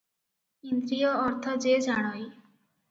ଇନ୍ଦ୍ରିୟ ଅର୍ଥ ଯେ ଜାଣଇ ।